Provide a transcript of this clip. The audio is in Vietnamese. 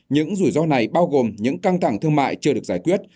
những rủi ro này bao gồm những căng thẳng thương mại chưa được giải quyết